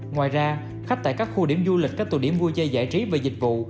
ngoài ra khách tại các khu điểm du lịch các tù điểm vui chơi giải trí và dịch vụ